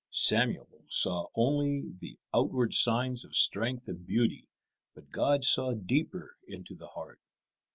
Samuel saw only the outward signs of strength and beauty, but God saw deeper into the heart.